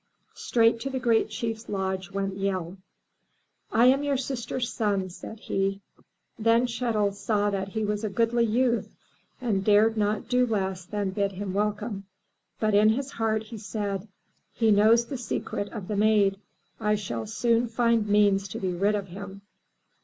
Straight to the great chief's lodge went Yehl. "I am your sister's son," said he. Then Chet'l saw that he was a goodly youth and dared not do less than bid him wel come, but in his heart he said, "He knows the secret of the Maid. I shall soon find means to be rid of him.